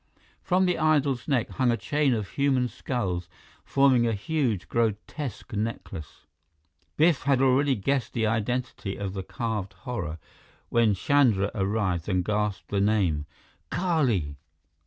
From the idol's neck hung a chain of human skulls, forming a huge, grotesque necklace. Biff had already guessed the identity of the carved horror, when Chandra arrived and gasped the name: "Kali!"